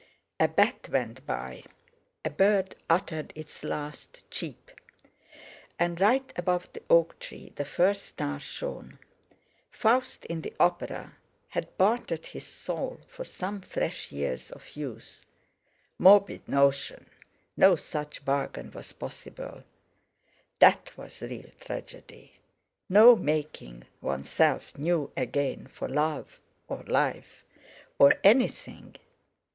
A bat went by. A bird uttered its last "cheep." And right above the oak tree the first star shone. Faust in the opera had bartered his soul for some fresh years of youth. Morbid notion! No such bargain was possible, that was real tragedy! No making oneself new again for love or life or anything.